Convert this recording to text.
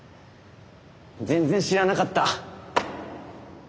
全然知らなかった。